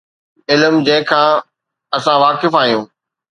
علم جنهن کان اسان واقف آهيون.